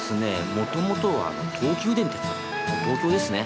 もともとは東急電鉄もう東京ですね。